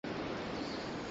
অবশেষে তোকে দেখলাম!